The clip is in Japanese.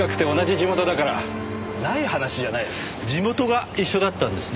地元が一緒だったんですね。